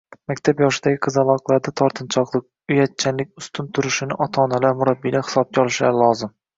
Maktab yoshidagi qizaloqlarda tortinchoqlik, uyatchanlik ustun turishini ota-onalar, murabbiylar hisobga olishlari lozim.